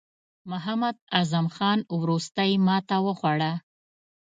محمد اعظم خان وروستۍ ماته وخوړه.